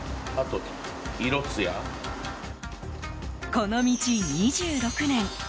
この道２６年。